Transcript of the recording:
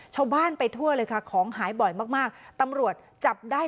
ชาวบ้านไปทั่วเลยค่ะของหายบ่อยมากมากตำรวจจับได้